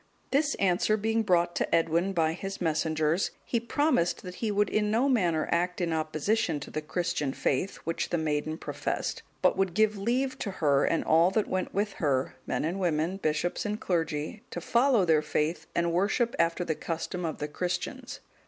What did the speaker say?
This answer being brought to Edwin by his messengers, he promised that he would in no manner act in opposition to the Christian faith, which the maiden professed; but would give leave to her, and all that went with her, men and women, bishops and clergy, to follow their faith and worship after the custom of the Christians.